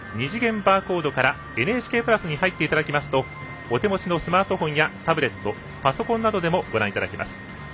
２次元バーコードから「ＮＨＫプラス」に入っていただきますとお手持ちのスマートフォンやタブレット、パソコンなどでもご覧いただけます。